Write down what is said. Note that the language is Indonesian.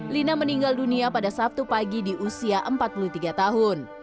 lina meninggal dunia pada sabtu pagi di usia empat puluh tiga tahun